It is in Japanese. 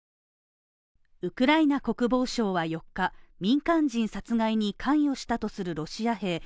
ウクライナ国防省は４日、民間人殺害に関与したとするロシア兵